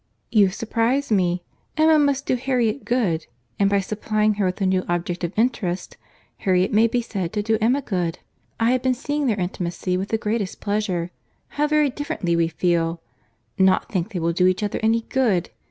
"You surprize me! Emma must do Harriet good: and by supplying her with a new object of interest, Harriet may be said to do Emma good. I have been seeing their intimacy with the greatest pleasure. How very differently we feel!—Not think they will do each other any good!